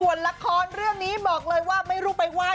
ส่วนละครเรื่องนี้บอกเลยว่าไม่รู้ไปไหว้